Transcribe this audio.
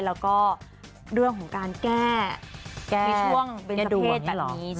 แล้วก็เรื่องของการแก้ในช่วงเป็นประเทศแบบนี้